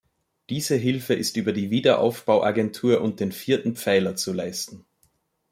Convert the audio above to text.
Diese Hilfe ist über die Wiederaufbauagentur und den vierten Pfeiler zu leisten.